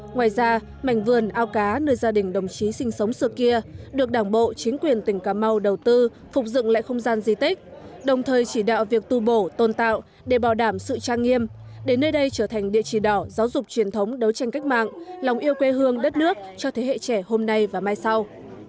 ngoài ra mảnh vườn ao cá nơi gia đình đồng chí sinh sống xưa kia được đảng bộ chính quyền tỉnh cà mau đầu tư phục dựng lại không gian di tích đồng thời chỉ đạo việc tu bổ tôn tạo để bảo đảm sự trang nghiêm để nơi đây trở thành địa chỉ đỏ giáo dục truyền thống đấu tranh cách mạng lòng yêu quê hương đất nước cho thế hệ trẻ hôm nay và mai sau